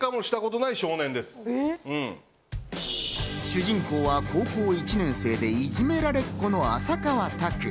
主人公は高校１年生でいじめられっ子の浅川拓。